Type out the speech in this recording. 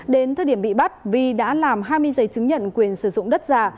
đến thời điểm bị bắt vi đã làm hai mươi giấy chứng nhận quyền sử dụng đất giả